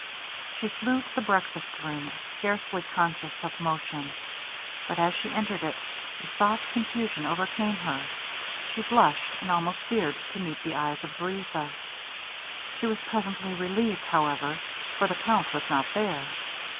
She flew to the breakfast room, scarcely conscious of motion; but, as she entered it, a soft confusion overcame her; she blushed, and almost feared to meet the eyes of Vereza. She was presently relieved, however, for the Count was not there.